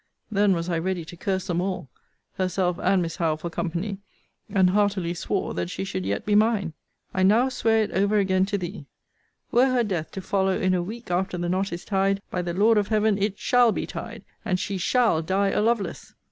Then was I ready to curse them all, herself and Miss Howe for company: and heartily swore that she should yet be mine. I now swear it over again to thee 'Were her death to follow in a week after the knot is tied, by the Lord of Heaven, it shall be tied, and she shall die a Lovelace!'